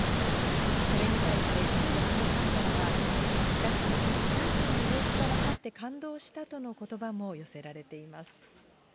これに対して、中国のファンからは、久しぶりにシャンシャンの様子が分かって感動したとのことばも寄せられています。